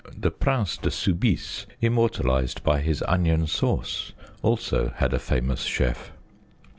The prince de Soubise, immortalized by his onion sauce, also had a famous chef.